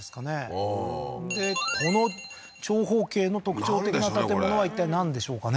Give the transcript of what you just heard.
ああーでこの長方形の特徴的な建物はいったいなんでしょうかね？